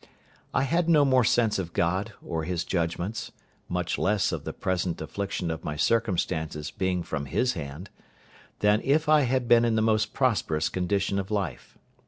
I had no more sense of God or His judgments—much less of the present affliction of my circumstances being from His hand—than if I had been in the most prosperous condition of life.